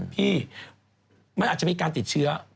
พี่มันอาจจะมีการติดเชื้อ